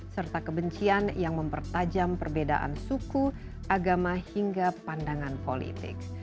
serta kebencian yang mempertajam perbedaan suku agama hingga pandangan politik